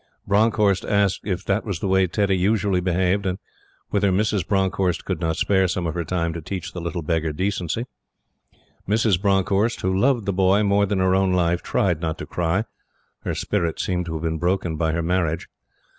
Bronckhorst asked if that was the way Teddy usually behaved, and whether Mrs. Bronckhorst could not spare some of her time to teach the "little beggar decency." Mrs. Bronckhorst, who loved the boy more than her own life, tried not to cry her spirit seemed to have been broken by her marriage.